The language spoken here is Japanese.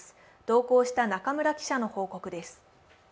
同行した中村記者の報告です。